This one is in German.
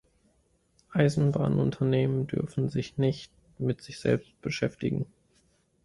Eisenbahnunternehmen dürfen sich nicht mit sich selbst beschäftigen.